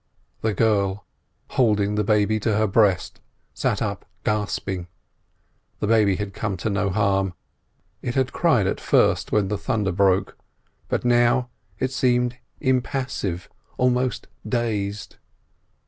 The girl, holding the baby to her breast, sat up gasping. The baby had come to no harm; it had cried at first when the thunder broke, but now it seemed impassive, almost dazed.